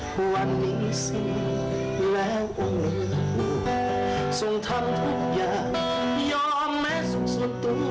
วันนี้ก็ไม่มีความสำนึกในพระมหากรุณาที่คุณอย่างหาภูมิพลอดุญเดช